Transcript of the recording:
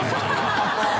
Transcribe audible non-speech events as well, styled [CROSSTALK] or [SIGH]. ハハハ [LAUGHS]